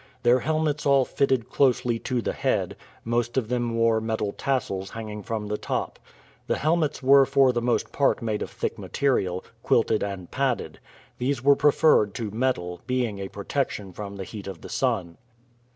Their helmets all fitted closely to the head; most of them wore metal tassels hanging from the top. The helmets were for the most part made of thick material, quilted and padded; these were preferred to metal, being a protection from the heat of the sun.